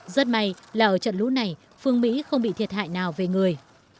rất may là ở trận lũ này phương mỹ không bị thiệt hại nào về người